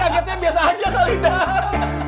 kagetnya biasa aja kali dah